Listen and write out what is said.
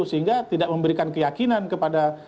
sehingga tidak memberikan keyakinan kepada